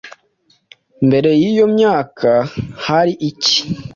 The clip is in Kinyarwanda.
Mbere y’iyo myaka hari iki